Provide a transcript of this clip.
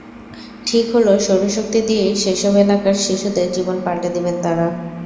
ঠিক হলো সৌরশক্তি দিয়েই সেসব এলাকার শিশুদের জীবন পাল্টে দেবেন তাঁরা।